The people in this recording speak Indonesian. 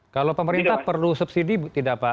kalau pemerintah perlu subsidi tidak pak